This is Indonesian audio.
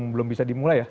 belum bisa dimulai ya